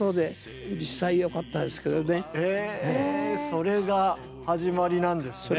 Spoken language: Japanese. それが始まりなんですね。